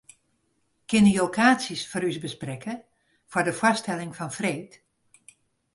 Kinne jo kaartsjes foar ús besprekke foar de foarstelling fan freed?